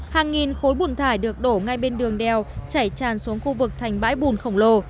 hàng nghìn khối bùn thải được đổ ngay bên đường đèo chảy tràn xuống khu vực thành bãi bùn khổng lồ